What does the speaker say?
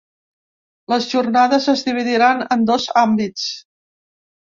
Les jornades es dividiran en dos àmbits.